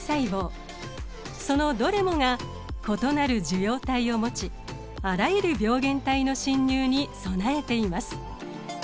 そのどれもが異なる受容体を持ちあらゆる病原体の侵入に備えています。